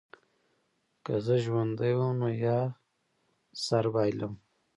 که زه ژوندی وم نو یا سر بایلم.